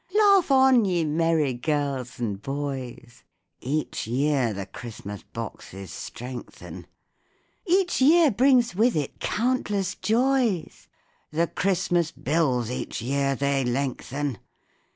_) Laugh on, ye merry girls and boys! (Each year the Christmas boxes strengthen,) Each year brings with it countless joys; (_The Christmas bills each year they lengthen.